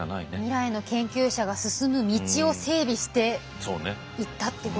未来の研究者が進む道を整備していったってことですもんね。